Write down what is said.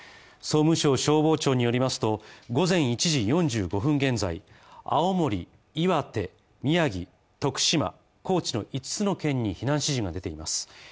総務省、消防庁によりますと午前１時４５分現在、青森岩手、宮城、徳島、高知の五つの県に避難指示が出ています。